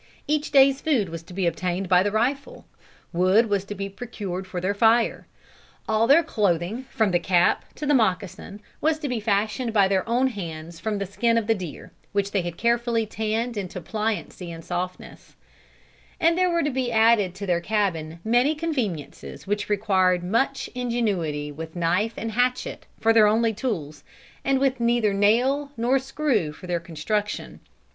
Each day's food was to be obtained by the rifle. Wood was to be procured for their fire. All their clothing, from the cap to the moccasin, was to be fashioned by their own hands from the skin of the deer, which they had carefully tanned into pliancy and softness; and there were to be added to their cabin many conveniences which required much ingenuity with knife and hatchet for their only tools, and with neither nail nor screw for their construction.